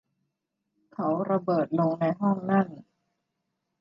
เขาระเบิดลงในห้องนั่น